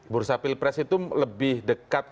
bursa pilpres itu lebih dekat